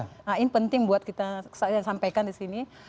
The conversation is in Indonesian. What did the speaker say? yang penting buat kita sampaikan di sini